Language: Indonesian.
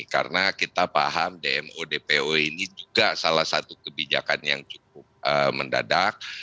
karena kita paham dmo dpo ini juga salah satu kebijakan yang cukup mendadak